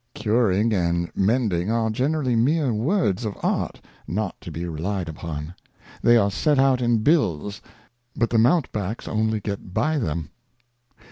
Curing and Mending are generally meer Words of Art not to be relied upon. They are set out in Bills, but the Mountebanks only get by them.